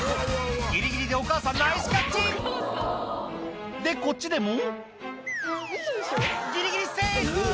ギリギリでお母さんナイスキャッチでこっちでもギリギリセーフ！